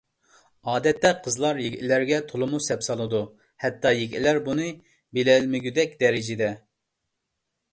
ئادەتتە قىزلار يىگىتلەرگە تولىمۇ سەپسالىدۇ. ھەتتا يىگىتلەر بۇنى بىلەلمىگۈدەك دەرىجىدە.